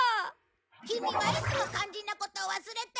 キミはいつも肝心なことを忘れて！